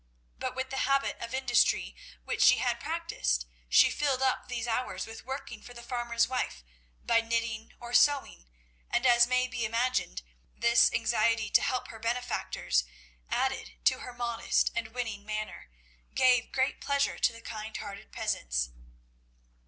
But with the habit of industry which she had practised, she filled up these hours with working for the farmer's wife by knitting or sewing, and as may be imagined, this anxiety to help her benefactors, added to her modest and winning manner, gave great pleasure to the kind hearted peasants.